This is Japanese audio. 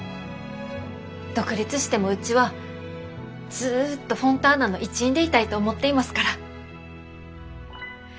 独立してもうちはずっとフォンターナの一員でいたいと思っていますから。